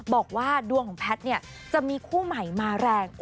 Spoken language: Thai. บอกว่าดวงของแพทย์จะมีคู่ใหม่มาแรง